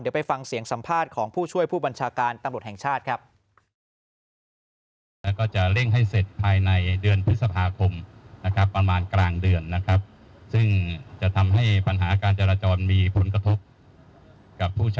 เดี๋ยวไปฟังเสียงสัมภาษณ์ของผู้ช่วยผู้บัญชาการตำรวจแห่งชาติครับ